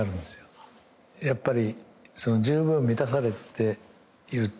やっぱり。